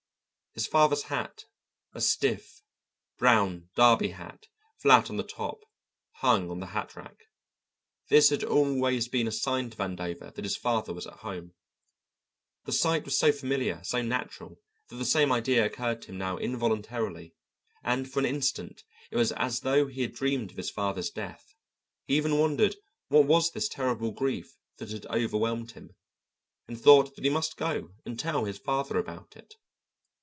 His father's hat, a stiff brown derby hat, flat on the top, hung on the hatrack. This had always been a sign to Vandover that his father was at home. The sight was so familiar, so natural, that the same idea occurred to him now involuntarily, and for an instant it was as though he had dreamed of his father's death; he even wondered what was this terrible grief that had overwhelmed him, and thought that he must go and tell his father about it.